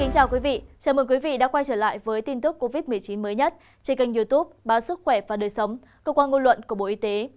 chào mừng quý vị đã quay trở lại với tin tức covid một mươi chín mới nhất trên kênh youtube báo sức khỏe và đời sống cơ quan ngôn luận của bộ y tế